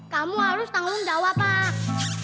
kamu harus tanggung jawab pak